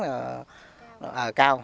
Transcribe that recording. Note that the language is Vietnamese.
cho nên là nó cao hơn